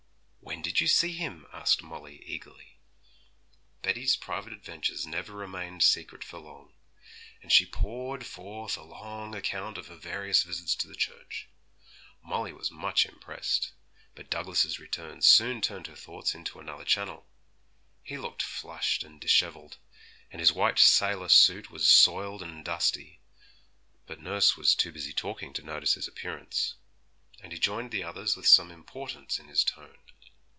'When did you see him?' asked Molly eagerly. Betty's private adventures never remained secret for long, and she poured forth a long account of her various visits to the church. Molly was much impressed, but Douglas's return soon turned her thoughts into another channel. He looked flushed and dishevelled, and his white sailor suit was soiled and dusty; but nurse was too busy talking to notice his appearance, and he joined the others with some importance in his tone.